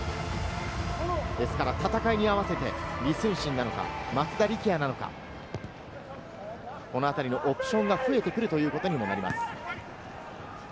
戦いに合わせて李承信なのか、松田力也なのか、このあたりのオプションが増えてくるということにもなります。